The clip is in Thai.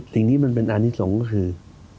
สิ่งที่เป็นอานิสงค์ก็คือ